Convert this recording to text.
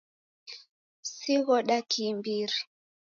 Sighoda kiimbiri